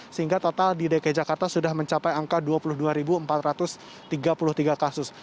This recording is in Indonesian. sehingga total di dki jakarta sudah mencapai angka dua puluh dua empat ratus tiga puluh tiga kasus